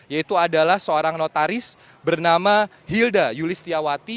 yaitu adalah seorang notaris bernama hilda yulis tiawati